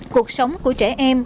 cuộc sống của trẻ em